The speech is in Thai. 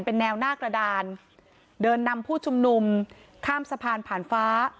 เป็นแนวหน้ากระดานเดินนำผู้ชุมนุมข้ามสะพานผ่านฟ้า